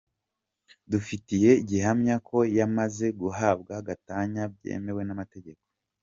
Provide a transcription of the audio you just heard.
com dufitiye gihamya ko bamaze guhabwa gatanya byemewe n’amategeko.